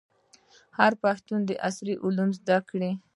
هر پښتون دي عصري علوم زده کړي.